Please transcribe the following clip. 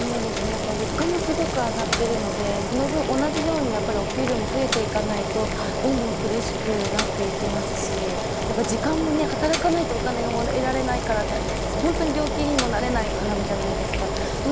物価もすごく上がっているのでその分、同じようにお給料も増えていかないとどんどん苦しくなっていきますし時間も、働かないとお金がもらえないからって病気にもなれないとなるじゃないですか。